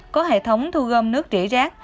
có hệ thống thu gom nước trĩ rác